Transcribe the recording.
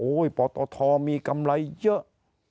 โอ้ยปศมีกำไรเยอะ